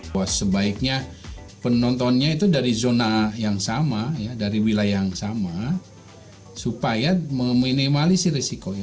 bahwa sebaiknya penontonnya itu dari zona yang sama ya dari wilayah yang sama supaya meminimalisir risikonya